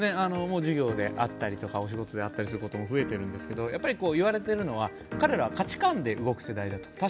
もう授業で会ったりとかお仕事で会ったりすることも増えているんですけど言われているのは彼らは価値観で動く世代だと。